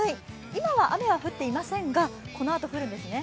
今は雨は降っていませんがこのあと降るんですね。